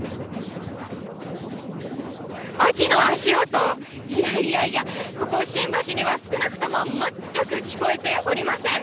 秋の足音、いやいやいや、ここ新橋には、少なくとも全く聞こえておりません。